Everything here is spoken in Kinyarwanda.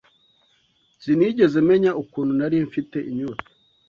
Sinigeze menya ukuntu nari mfite inyota.